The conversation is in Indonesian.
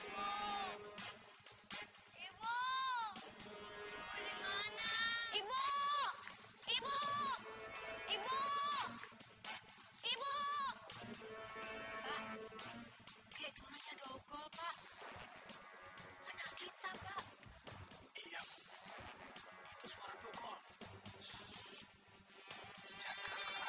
hai kek suaranya dogol pak anak kita pak iya itu suara dogol